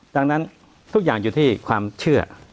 ดังนั้นทุกอย่างอยู่ที่ความเชื่อ